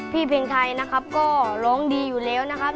พี่เพลงไทก็ร้องดีอยู่แล้วนะครับ